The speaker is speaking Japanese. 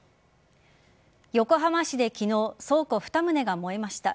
横浜市で昨日倉庫２棟が燃えました。